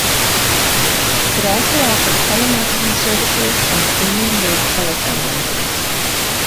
It also offered telemarketing services and Premium-rate telephone numbers.